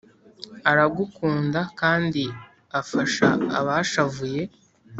Aragukunda kandi afasha abashavuye